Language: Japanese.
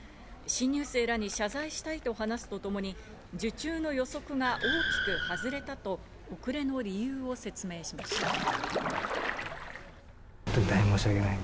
新入生らに謝罪したいと話すとともに、受注の予測が大きく外れたと遅れの理由を説明しました。